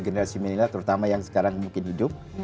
generasi milenial terutama yang sekarang mungkin hidup